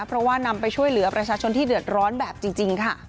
เพราะว่านำไปช่วยเหลือประชาชนที่เดือดร้อนแบบจริงค่ะ